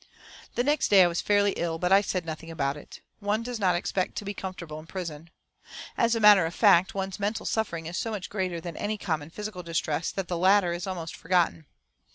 The next day I was fairly ill, but I said nothing about it. One does not expect to be comfortable in prison. As a matter of fact, one's mental suffering is so much greater than any common physical distress that the latter is almost forgotten.